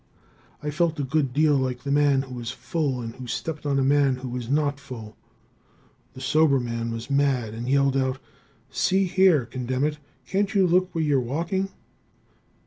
I felt a good deal like the man who was full and who stepped on a man who was not full. The sober man was mad, and yelled out: "See here; condemn it, can't you look where you're walking?"